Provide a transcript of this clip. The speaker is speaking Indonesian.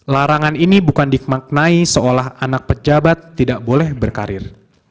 larangan ini bukan dimaknai seolah anak pejabat tidak boleh berkarir